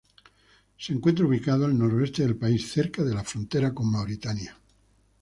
Se encuentra ubicado al noroeste del país, cerca de la frontera con Mauritania.